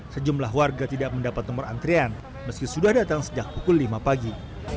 sejumlah warga tidak mendapat nomor antrian meski sudah datang sejak pukul lima pagi